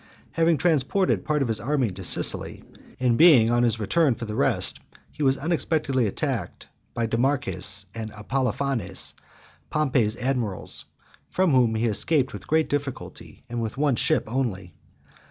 Having transported part of his army to Sicily, and being on his return for the rest, he was unexpectedly attacked by Demochares and Apollophanes, Pompey's admirals, from whom he escaped with great difficulty, and with one ship only.